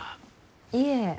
いえ。